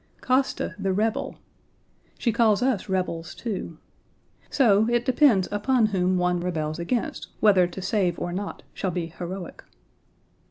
Koszta, the rebel! She calls us rebels, too. So it depends upon whom one rebels against whether to save or not shall be heroic.